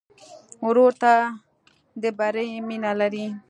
ورور ته د بری مینه لرې.